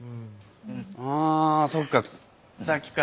あそっか。